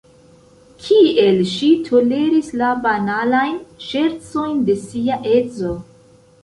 Kiel ŝi toleris la banalajn ŝercojn de sia edzo?